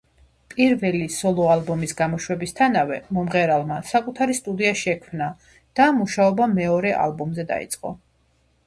პირველი სოლო ალბომის გამოშვებისთანავე, მომღერალმა საკუთარი სტუდია შექმნა და მუშაობა მეორე ალბომზე დაიწყო.